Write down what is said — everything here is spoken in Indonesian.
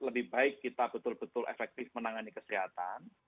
lebih baik kita betul betul efektif menangani kesehatan